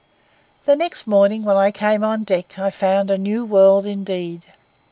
The next morning when I came on deck I found a new world indeed.